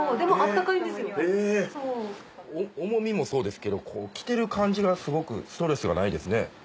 重みもそうですけど着てる感じがすごくストレスがないですね。